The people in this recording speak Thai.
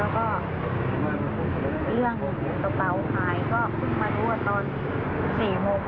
ก็น้องเขาก็ยังอยู่หน้าบ้าน